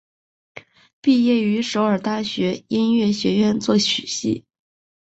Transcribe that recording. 毕业于首尔大学音乐学院作曲系。